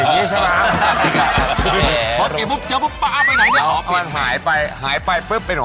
เพราะแบบพรุ้งรอปิดปุ๊บเจอปุ๊บป้า